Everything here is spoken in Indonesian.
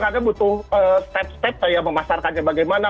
karena butuh step step kayak memasarkannya bagaimana